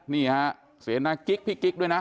นี่ฮะเสนากิ๊กพี่กิ๊กด้วยนะ